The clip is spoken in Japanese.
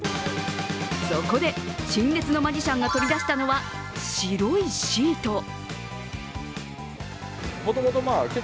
そこで、陳列のマジシャンが取り出したのは白いシート。